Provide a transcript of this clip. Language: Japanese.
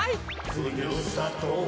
「ふるさとは」